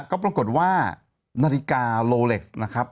ก็ปรากฏว่านาฬิกาโลเล็กซ์นะครับ